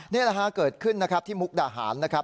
นี่แหละฮะเกิดขึ้นนะครับที่มุกดาหารนะครับ